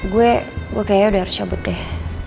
gue kayaknya udah harus cabut deh